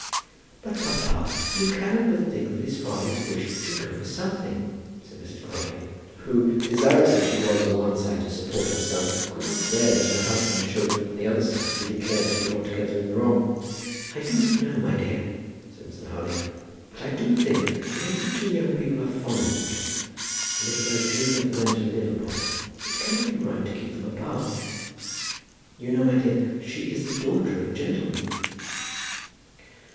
"But, papa, you cannot but think that his father's wish should go for something," said Mrs. Grantly, who, desirous as she was on the one side to support her son, could not bear that her husband should, on the other side, be declared to be altogether in the wrong. "I do not know, my dear," said Mr. Harding; "but I do think, that if the two young people are fond of each other, and if there is anything for them to live upon, it cannot be right to keep them apart. You know, my dear, she is the daughter of a gentleman."